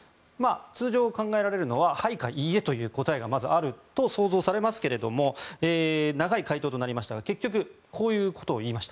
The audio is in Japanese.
通常、考えられるのははいかいいえというのがまず、あると想像されますが長い回答となりましたが結局、こういうことを言いました。